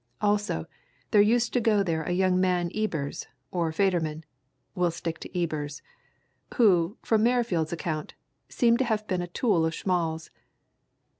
Also, there used to go there the young man Ebers, or Federman we'll stick to Ebers who, from Merrifield's account, seems to have been a tool of Schmall's.